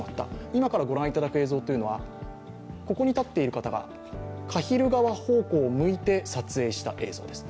今から御覧いただく映像はここに足っている方が鹿蒜川方向を向いて撮影した映像です。